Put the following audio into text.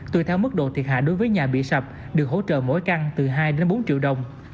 tùy theo mức độ thiệt hại đối với nhà bị sập được hỗ trợ mỗi căn từ hai đến bốn triệu đồng